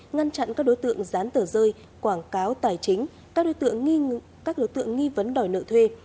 ngăn chặn các đối tượng gián tờ rơi quảng cáo tài chính các đối tượng nghi vấn đòi nợ thuê